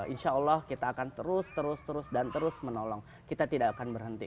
insya allah kita akan terus terus terus dan terus menolong kita tidak akan berhenti